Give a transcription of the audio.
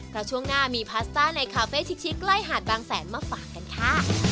เพราะช่วงหน้ามีพาสต้าในคาเฟ่ชิกใกล้หาดบางแสนมาฝากกันค่ะ